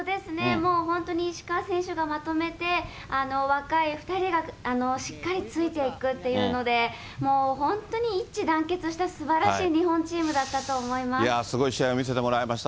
もう本当に石川選手がまとめて、若い２人がしっかりついていくっていうので、もう本当に一致団結したすばらしい日本チームだったと思いまいやー、すごい試合を見せてもらいました。